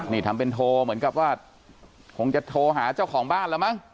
นี่ทำเป็นโทรเหมือนกับว่าคงจะโทรหาเจ้าของบ้านแล้วมั้ง